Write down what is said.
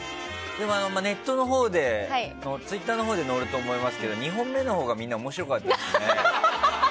でも、ネットのほうでツイッターのほうで載ると思いますが２本目のほうがみんな面白かったですね。